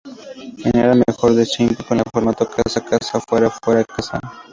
Final al mejor de cinco, con el formato casa-casa-fuera-fuera-casa.